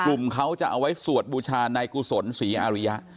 กลุ่มเขาจะเอาไว้สวดบูชานายกุศลศรีอาริยะ